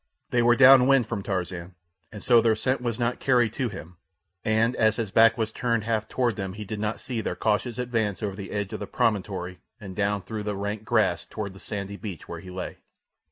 They were down wind from Tarzan, and so their scent was not carried to him, and as his back was turned half toward them he did not see their cautious advance over the edge of the promontory and down through the rank grass toward the sandy beach where he lay.